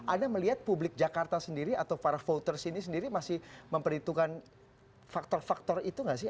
anda melihat publik jakarta sendiri atau para voters ini sendiri masih memperhitungkan faktor faktor itu nggak sih